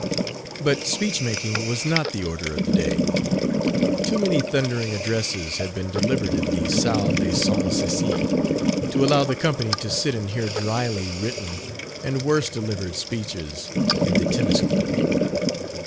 But speech making was not the order of the day. Too many thundering addresses had been delivered in the Salle de St. Cecile, to allow the company to sit and hear dryly written and worse delivered speeches in the Teniscourt.